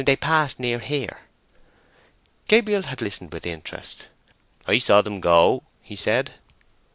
They passed near here." Gabriel had listened with interest. "I saw them go," he said.